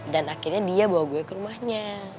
dan akhirnya dia bawa gue ke rumahnya